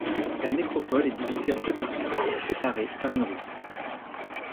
La nécropole est divisée en deux parties séparées par une route.